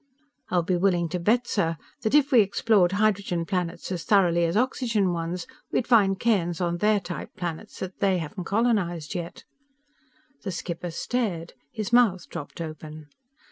I'd be willing to bet, sir, that if we explored hydrogen planets as thoroughly as oxygen ones, we'd find cairns on their type planets that they haven't colonized yet." The skipper stared. His mouth dropped open.